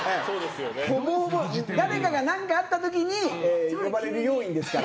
誰かが何かあったときに呼ばれる要員ですから。